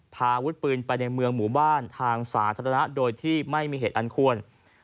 พาอาวุธปืนไปในเมืองหมู่บ้านทางสาธารณะโดยที่ไม่มีเหตุอันควร